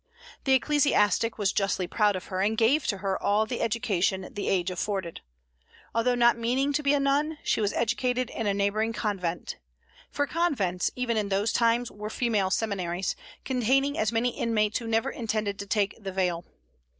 The ecclesiastic was justly proud of her, and gave to her all the education the age afforded. Although not meaning to be a nun, she was educated in a neighboring convent, for convents, even in those times, were female seminaries, containing many inmates who never intended to take the veil.